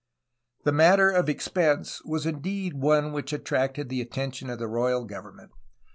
The matter of expense was indeed one which attracted the attention of the royal government.